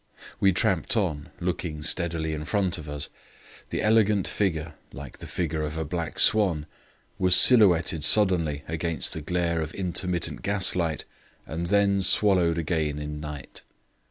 We tramped on, looking steadily in front of us. The elegant figure, like the figure of a black swan, was silhouetted suddenly against the glare of intermittent gaslight and then swallowed again in night.